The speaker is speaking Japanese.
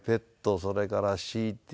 それからＣＴ